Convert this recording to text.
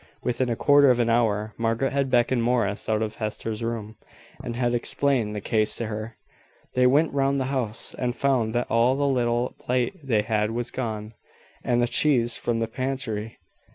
Within a quarter of an hour Margaret had beckoned Morris out of Hester's room, and had explained the case to her. They went round the house, and found that all the little plate they had was gone, and the cheese from the pantry.